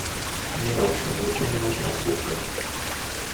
"Nie dał się wyciągnąć na słówka."